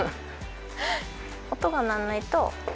音が鳴らないと。